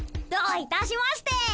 どういたしまして。